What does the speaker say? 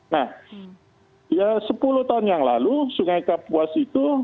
nah sepuluh tahun yang lalu sungai kapuas itu